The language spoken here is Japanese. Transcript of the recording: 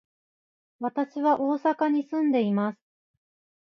私は大阪に住んでいます。